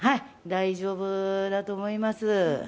大丈夫だと思います。